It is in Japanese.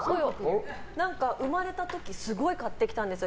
生まれた時すごい買ってきたんですよ。